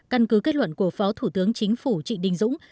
căn cứ kết luận của phó thủ tướng chính phủ trị đinh dũng